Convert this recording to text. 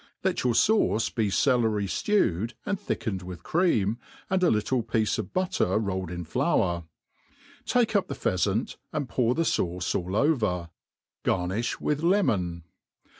Let your fauce be cekry AeVved ahd thickened with cream, attd a little piece of i>utter rolled in flour ; take up the pheafant, and pour Che fauce tdi over, Garnifh with lemon.